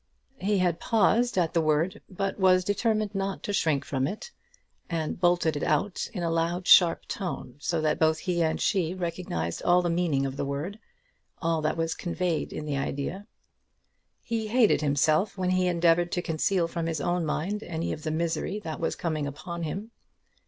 He had paused at the word; but was determined not to shrink from it, and bolted it out in a loud, sharp tone, so that both he and she recognised all the meaning of the word, all that was conveyed in the idea. He hated himself when he endeavoured to conceal from his own mind any of the misery that was coming upon him.